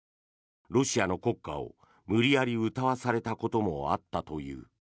ロシアの国歌を無理やり歌わされたこともあったという。